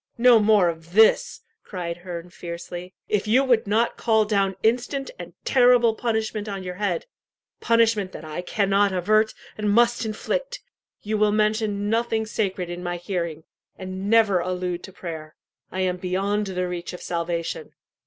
"No more of this!" cried Herne fiercely. "If you would not call down instant and terrible punishment on your head punishment that I cannot avert, and must inflict you will mention nothing sacred in my hearing, and never allude to prayer, I am beyond the reach of salvation."